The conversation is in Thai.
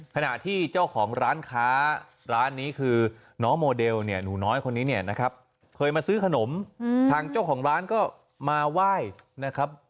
ขณะที่เจ้าของร้านค้าร้านนี้คือน้องโมเดลเนี่ยหนูน้อยคนนี้เนี่ยนะครับเคยมาซื้อขนมทางเจ้าของร้านก็มาไหว้นะครับ